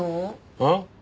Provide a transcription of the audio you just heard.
えっ？